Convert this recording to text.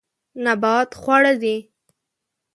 نبات خواړه دي.